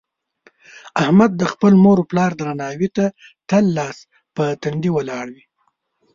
احمد د خپل مور او پلار درناوي ته تل لاس په تندي ولاړ وي.